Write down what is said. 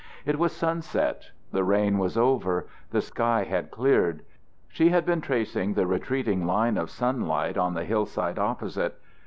It was sunset, the rain was over, the sky had cleared. She had been tracing the retreating line of sunlight on the hillside opposite.